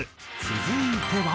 続いては。